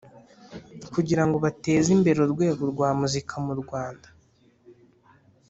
kugirango bateze imbere urwego rwa muzika mu rwanda